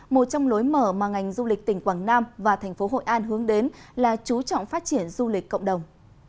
một trong lối mở mà ngành du lịch tỉnh quảng nam và thành phố hội an hướng đến là chú trọng phát triển du lịch cộng đồng